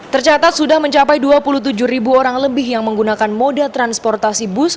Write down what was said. tercatat sudah mencapai dua puluh tujuh ribu orang lebih yang menggunakan moda transportasi bus